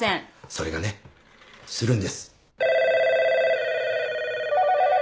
それがねするんです。